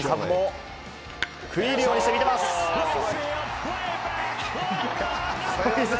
小泉さんも食い入るようにしてみています。